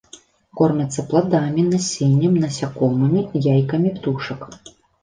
Кормяцца пладамі, насеннем, насякомымі, яйкамі птушак.